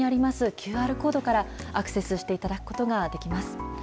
ＱＲコードからアクセスしていただくことができます。